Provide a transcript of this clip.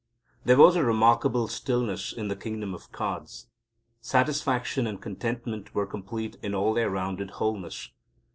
There was a remarkable stillness in the Kingdom of Cards. Satisfaction and contentment were complete in all their rounded wholeness.